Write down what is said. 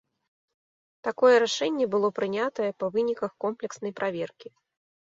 Такое рашэнне было прынятае па выніках комплекснай праверкі.